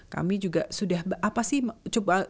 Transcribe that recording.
kami juga sudah apa sih coba